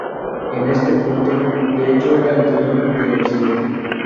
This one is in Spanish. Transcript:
En este punto, de hecho, era el dueño del Occidente.